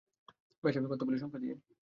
বেশ, আমি কথা বলি সংখ্যা দিয়ে!